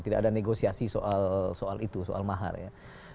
tidak ada negosiasi soal itu soal mahar ya